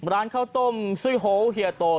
ร้านข้าวต้มซุ้ยโฮเฮียโต